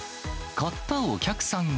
買ったお客さんは。